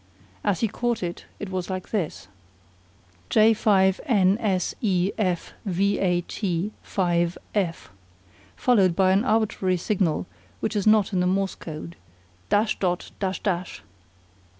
As he caught it, it was like this: "J 5 n s e f v a t 5 f," followed by an arbitrary signal which is not in the Morse code: "Dash dot dash dash!"